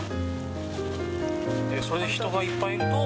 それで人がいっぱいいると？